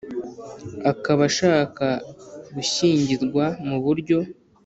Akaba ashaka gushyingirwa mu buryo